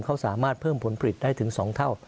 เขาสามารถเพิ่มผลผลิตได้ถึง๒เท่า